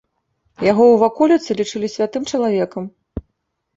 Яго ў ваколіцы лічылі святым чалавекам.